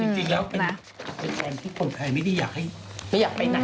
จริงแล้วเป็นแฟนที่คนไทยไม่ได้อยากไปไหน